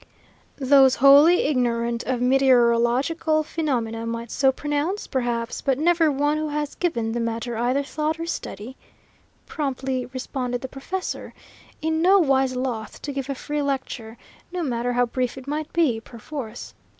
"Those wholly ignorant of meteorological phenomena might so pronounce, perhaps, but never one who has given the matter either thought or study," promptly responded the professor, in no wise loth to give a free lecture, no matter how brief it might be, perforce.